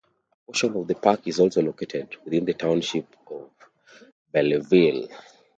A portion of the park is also located within the Township of Belleville.